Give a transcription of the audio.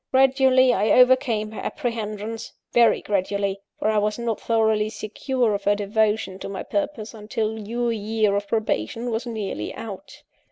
Gradually, I overcame her apprehensions: very gradually, for I was not thoroughly secure of her devotion to my purpose, until your year of probation was nearly out.